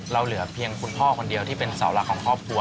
เหลือเพียงคุณพ่อคนเดียวที่เป็นเสาหลักของครอบครัว